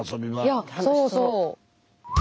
いやそうそう。